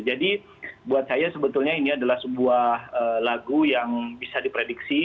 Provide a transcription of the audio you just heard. jadi buat saya sebetulnya ini adalah sebuah lagu yang bisa diprediksi